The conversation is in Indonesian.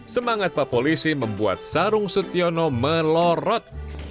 semangat pak polisi membuat sarung setiono melorot